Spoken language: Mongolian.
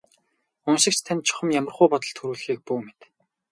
Уншигч танд чухам ямархуу бодол төрүүлэхийг бүү мэд.